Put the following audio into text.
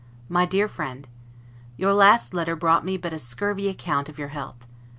MY DEAR FRIEND: Your last letter brought me but a scurvy account of your health.